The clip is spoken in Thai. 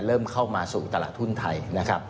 เริ่มเข้ามาสู่ตลาดทุนไทย